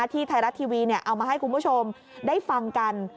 ที่ไทยรัฐทีวีเอามาให้คุณผู้ชมได้ฟังกัน